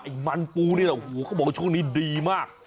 ไอ้มันปูนี่เหรอเขาบอกว่าช่วงนี้ดีมาก